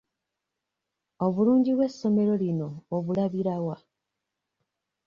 Obulungi bw'essomero lino obulabira wa?